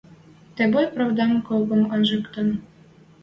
Тӹ бой правдам когом анжыктен.